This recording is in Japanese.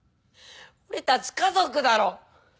俺たち家族だろ！